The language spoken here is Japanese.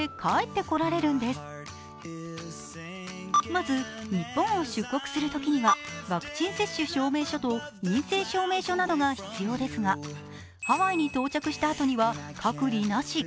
まず日本を出国するときにはワクチン接種証明書と陰性証明書などが必要ですがハワイに到着したあとには隔離なし。